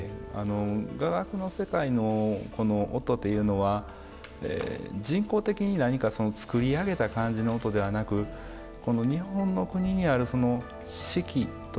雅楽の世界の音というのは人工的に何かその作り上げた感じの音ではなくこの日本の国にある四季というんですかね